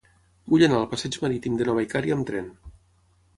Vull anar al passeig Marítim de Nova Icària amb tren.